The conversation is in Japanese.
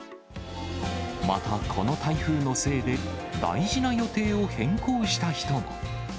また、この台風のせいで大事な予定を変更した人も。